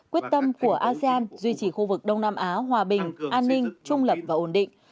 quyết tâm của asean duy trì khu vực đông nam á hòa bình an ninh trung lập và ổn định